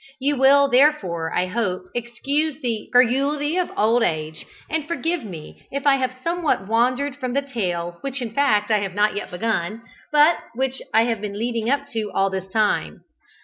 You will therefore, I hope, excuse the garrulity of old age, and forgive me if I have somewhat wandered from the tale which in fact I have not yet begun, but which I have been leading up to all this time.